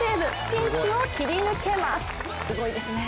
ピンチを切り抜けます。